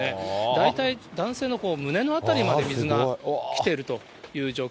大体男性の胸の辺りまで水が来ているという状況。